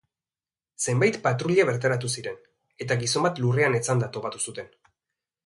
Zenbait patruila bertaratu ziren, eta gizon bat lurrean etzanda topatu zuten.